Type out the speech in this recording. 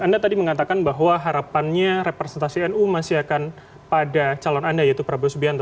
anda tadi mengatakan bahwa harapannya representasi nu masih akan pada calon anda yaitu prabowo subianto